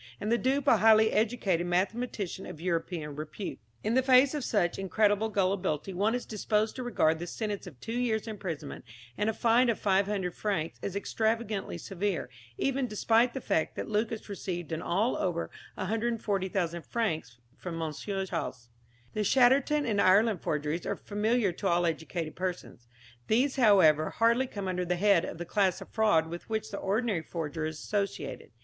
And the dupe a highly educated mathematician of European repute. In the face of such incredible gullibility one is disposed to regard the sentence of two years' imprisonment and a fine of 500 francs as extravagantly severe, even despite the fact that Lucas received in all over 140,000 francs from M. Chasles. The Chatterton and Ireland forgeries are familiar to all educated persons. These, however, hardly come under the head of the class of fraud with which the ordinary forger is associated.